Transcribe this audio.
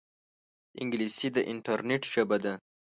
انګلیسي د انټرنیټ ژبه ده